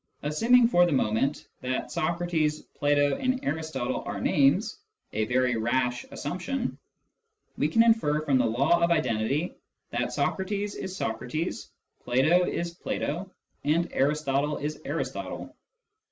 Assuming for the moment that " Socrates," " Plato," and " Aristotle " are names (a very rash assumption), we can infer from the law of identity that Socrates is Socrates, Plato is Plato, and Aristotle is Aristotle.